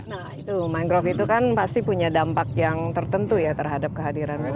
nah itu mangrove itu kan pasti punya dampak yang tertentu ya terhadap kehadiran